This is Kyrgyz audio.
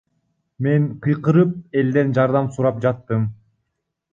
Мен кыйкырып, элден жардам сурап жаттым.